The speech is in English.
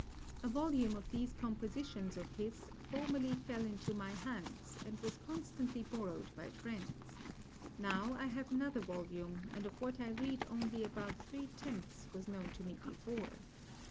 A volume of these compositions of his formerly fell into my hands, and was constantly borrowed by friends; now, I have another volume, and of what I read only about three tenths was known to me before.